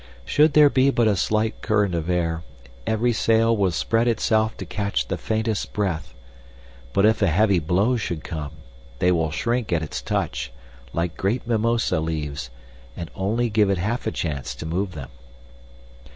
Should there be but a slight current of air, every sail will spread itself to catch the faintest breath, but if a heavy "blow" should come, they will shrink at its touch, like great mimosa leaves, and only give it half a chance to move them.